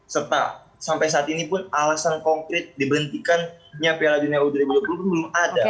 serta sampai saat ini pun alasan konkret diberhentikannya piala dunia u dua puluh belum ada